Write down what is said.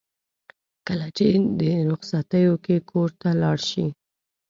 کله چې رخصتیو کې کور ته لاړ شي.